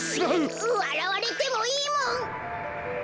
わらわれてもいいもん！